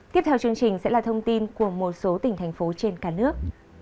tiếp theo chương trình sẽ là thông tin của một số tỉnh thành phố trên cả nước